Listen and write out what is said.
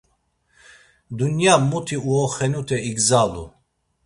Dunya, muti uoxenute igzalu.